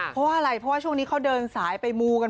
เพราะว่าอะไรเพราะว่าช่วงนี้เขาเดินสายไปมูกัน